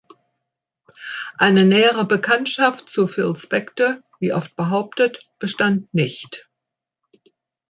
Eine nähere Bekanntschaft zu Phil Spector, wie oft behauptet, bestand nicht.